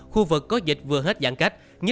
khu vực có dịch vừa hết giãn cách